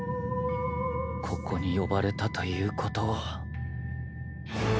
ここに呼ばれたということは